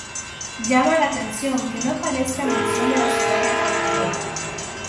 Llama la atención que no aparezca mención de la ciudad de Cartagena.